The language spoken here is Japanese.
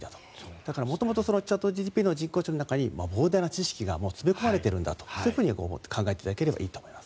だから元々チャットＧＰＴの人工知能の中に膨大な知識が詰め込まれているんだとそう考えていただければと思います。